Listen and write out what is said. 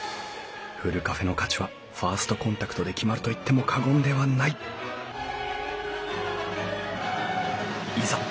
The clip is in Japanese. ふるカフェの価値はファーストコンタクトで決まると言っても過言ではないいざ